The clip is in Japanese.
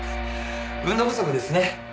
運動不足ですね。